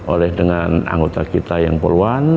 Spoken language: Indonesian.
oleh dengan anggota kita yang poluan